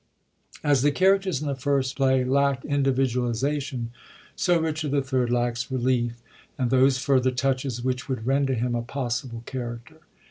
As the characters in the first play lack individualisa tion, so Richard III. lacks relief and those fiu*ther touches which would render him a possible character.